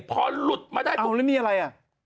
พอหลุดมาได้เอาแล้วนี่อะไร